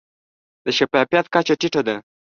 د شفافیت کچه ټیټه ده.